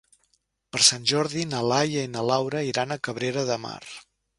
Per Sant Jordi na Laia i na Laura iran a Cabrera de Mar.